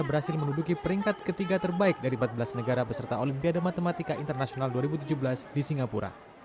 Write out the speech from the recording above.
berhasil menduduki peringkat ketiga terbaik dari empat belas negara peserta olimpiade matematika internasional dua ribu tujuh belas di singapura